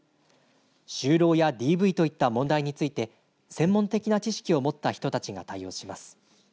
就労やＤＶといった問題について専門的な知識を持った人たちが対応します。